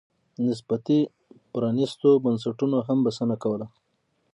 نسبي پرانېستو بنسټونو هم بسنه کوله.